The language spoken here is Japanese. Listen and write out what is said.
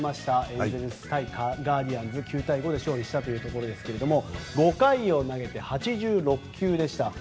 エンゼルスはガーディアンズに９対５で勝利したということですが５回を投げて８６球でした。